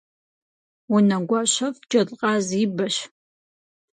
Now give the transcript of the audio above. Унэгуащэфӏ джэдкъаз и бэщ.